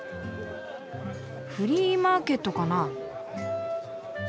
フリーマーケットかな？